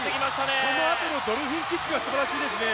そのあとのドルフィンキックがすばらしいですね。